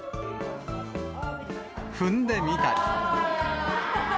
踏んでみたり。